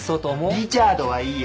リチャードはいいよ